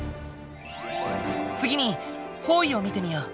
次に方位を見てみよう。